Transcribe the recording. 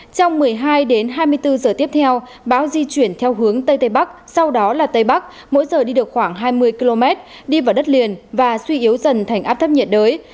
trong một mươi hai hai mươi bốn giờ tiếp theo bão di chuyển theo hướng tây tây bắc sau đó là tây bắc mỗi giờ đi được khoảng hai mươi km đi vào đất liền và suy yếu dần thành áp thấp nhiệt đới